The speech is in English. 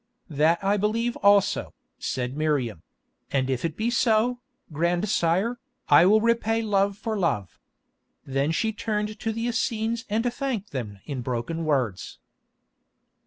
"That I believe also," said Miriam; "and if it be so, grandsire, I will repay love for love." Then she turned to the Essenes and thanked them in broken words.